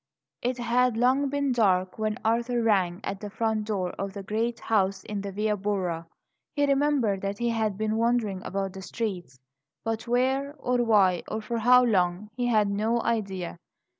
IT had long been dark when Arthur rang at the front door of the great house in the Via Borra. He remembered that he had been wandering about the streets; but where, or why, or for how long, he had no idea.